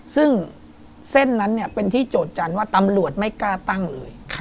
ซึ่งเส้นนั้นเป็นที่โจทยจันทร์ว่าตำรวจไม่กล้าตั้งเลย